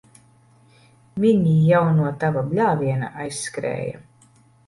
Viņi jau no tava bļāviena aizskrēja.